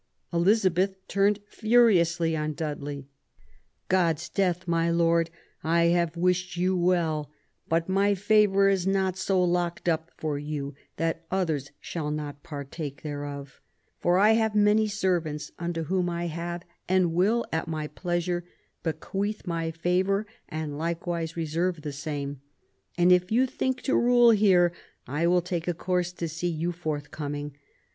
Elizabeth turned furiously on Dudley :" God's death, my Lord, I have wished you well, but my favour is not so locked up for you that others shall not partake thereof ; for I have many servants, unto whom I have, and will at my pleasure, bequeath my favour and likewise reserve the same. And, if you think to rule here, I will take a course to see you forthcoming.